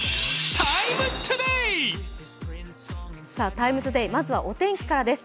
「ＴＩＭＥ，ＴＯＤＡＹ」、まずはお天気からです。